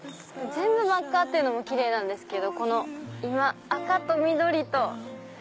全部真っ赤！っていうのもキレイなんですけど今赤と緑と。